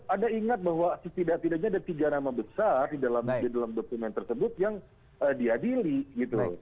ada ingat bahwa setidak tidaknya ada tiga nama besar di dalam dokumen tersebut yang diadili gitu